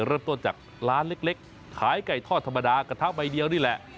เริ่มต้นจากร้านเล็กขายไก่ทอดธรรมดากระทะใบเดียวนี่แหละ